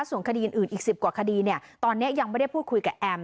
ส่วนคดีอื่นอีก๑๐กว่าคดีตอนนี้ยังไม่ได้พูดคุยกับแอม